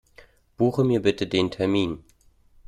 Buche mir bitten den Termin.